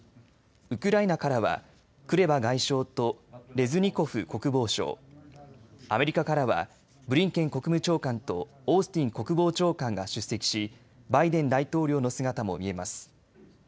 ウクライナからはクレバ外相とレズニコフ国防相アメリカからはブリンケン国務長官とオースティン国防長官が出席しバイデン大統領の姿も見えます。